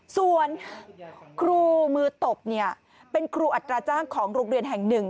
ส่วนครูมือตบเป็นครูอัตราจ้างของโรงเรียนแห่งหนึ่ง